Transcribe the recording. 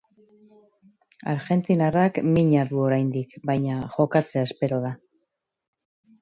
Argentinarrak mina du oraindik, baina jokatzea espero da.